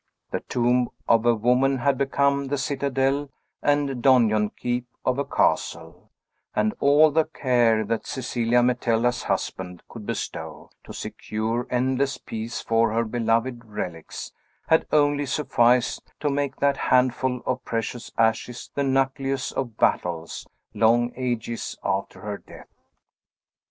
This tomb of a woman had become the citadel and donjon keep of a castle; and all the care that Cecilia Metella's husband could bestow, to secure endless peace for her beloved relics, had only sufficed to make that handful of precious ashes the nucleus of battles, long ages after her death.